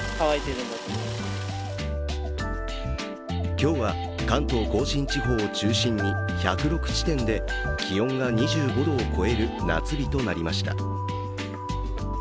今日は関東甲信地方を中心に１０６地点で気温が２５度を超える夏日となりました。